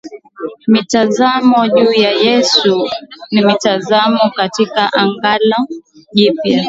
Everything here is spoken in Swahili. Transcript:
Mitazamo juu ya Yesu ni mitazamo katika Agano Jipya